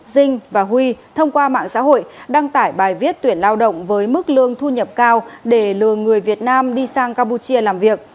dinh và huy thông qua mạng xã hội đăng tải bài viết tuyển lao động với mức lương thu nhập cao để lừa người việt nam đi sang campuchia làm việc